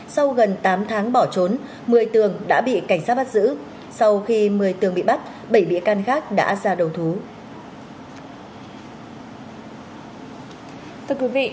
sau gần tám tháng bỏ trốn một mươi tường đã bị cảnh sát bắt giữ sau khi một mươi tường bị bắt bảy bị can khác đã ra đầu thú